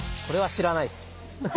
これは知らないっす。